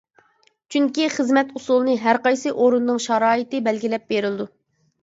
چۈنكى خىزمەت ئۇسۇلىنى ھەر قايسى ئورۇننىڭ شارائىتى بەلگىلەپ بېرىدۇ.